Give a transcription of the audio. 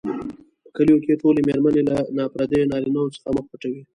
په کلیو کې ټولې مېرمنې له نا پردیو نارینوو څخه مخ پټوي.